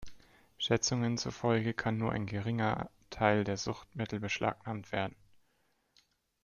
Schätzungen zufolge kann nur ein geringer Teil der Suchtmittel beschlagnahmt werden.